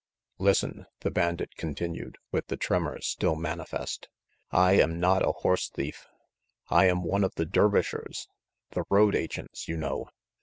"Listen," the bandit continued, with the tremor still manifest. "I am not a horse thief. I am one of the Dervishers, the road agents, you know.